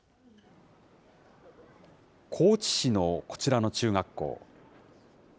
高知市のこちらの中学校。